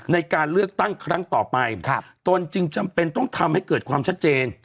ในการเลือกตั้งครั้งต่อไปตนจึงจำเป็นต้องทำให้เกิดความชัดเจน